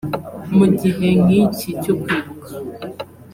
Mu gihe nk’iki cyo kwibuka